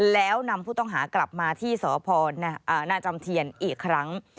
แล้วนำผู้ต้องหากลับมาที่สพนาจอมเทียนอีกครั้ง